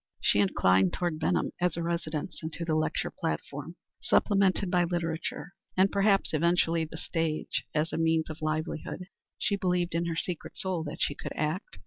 She inclined toward Benham as a residence, and to the lecture platform, supplemented by literature, and perhaps eventually the stage, as a means of livelihood. She believed in her secret soul that she could act.